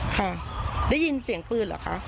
ค่ะได้ยินเสียงปืนเหรอคะ